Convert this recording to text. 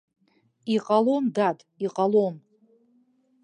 Иҟалом, дад, иҟалом.